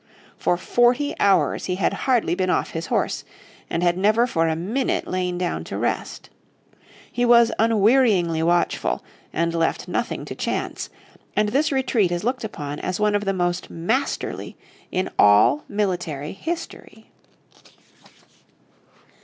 For forty hours he had hardly been off his horse, and had never for a minute lain down to rest. He was unwearyingly watchful, and left nothing to chance, and this retreat is looked upon as one of the most masterly in all military history.